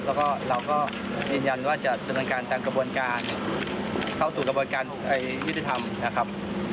แล้วก็เราก็ยืนยันว่าจะดำเนินการตามกระบวนการเข้าสู่กระบวนการยุติธรรมนะครับ